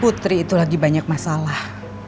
putri itu lagi banyak masalah